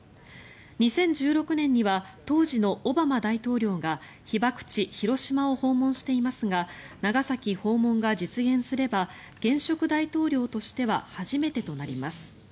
２０１６年には当時のオバマ大統領が被爆地・広島を訪問していますが長崎訪問が実現すれば現職大統領としては初めてとなります。